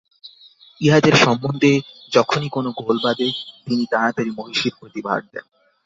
ইহাদের সম্বন্ধে যখনি কোন গোল বাধে, তিনি তাড়াতাড়ি মহিষীর প্রতি ভার দেন।